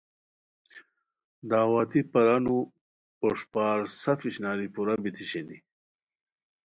دعوتی برانو پوݰپار سف اشناری پورہ بیتی شینی